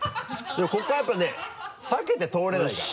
でもここはやっぱね避けて通れないから。